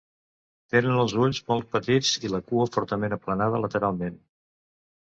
Tenen els ulls molt petits i la cua fortament aplanada lateralment.